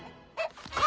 あ！